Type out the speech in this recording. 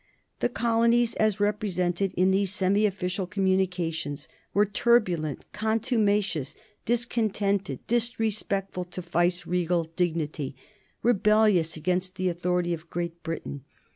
The colonies, as represented in these semi official communications, were turbulent, contumacious, discontented, disrespectful to viceregal dignity, rebellious against the authority of Great Britain.